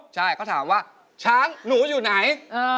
ใช่เขาถามว่าช้างหนูอยู่ไหน